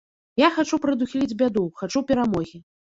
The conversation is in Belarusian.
Я хачу прадухіліць бяду, хачу перамогі.